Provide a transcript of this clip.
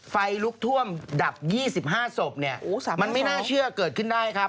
ไฟลุกท่วมดับ๒๕ศพเนี่ยมันไม่น่าเชื่อเกิดขึ้นได้ครับ